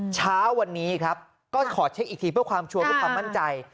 เช้าวันนี้ครับก็ขอเช็คอีกทีเพื่อความชัวร์เพื่อความมั่นใจ